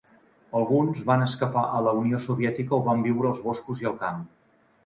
Alguns van escapar a la Unió Soviètica o van viure als boscos i al camp.